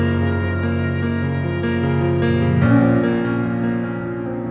bukan saya buka pintunya tersebut siapa